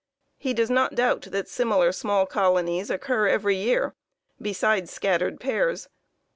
He does not doubt that similar small colonies occur every year, besides scattered pairs.